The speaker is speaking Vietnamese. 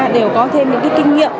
đều có thêm những kinh nghiệm